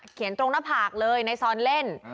ตรงหน้าผากเลยในซอนเล่น